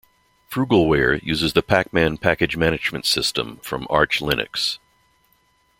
Frugalware uses the Pacman package management system from Arch Linux.